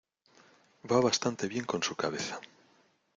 Va bastante bien con su cabeza.